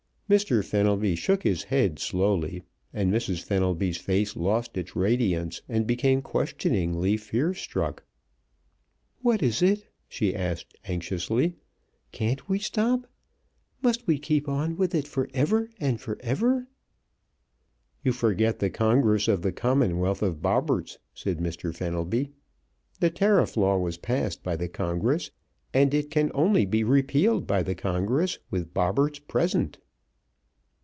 Mr. Fenelby shook his head slowly and Mrs. Fenelby's face lost its radiance and became questioningly fear struck. "What is it?" she asked, anxiously. "Can't we stop? Must we keep on with it forever and forever?" "You forget the Congress of the Commonwealth of Bobberts," said Mr. Fenelby. "The tariff law was passed by the congress, and it can only be repealed by the congress, with Bobberts present."